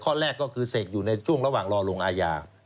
แรกก็คือเสกอยู่ในช่วงระหว่างรอลงอาญา